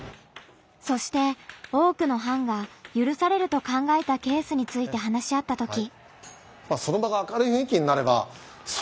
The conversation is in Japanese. そして多くの班が「ゆるされる」と考えたケースについて話し合ったとき。